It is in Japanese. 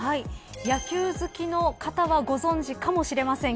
野球好きの方はご存じかもしれません。